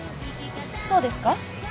そうですか？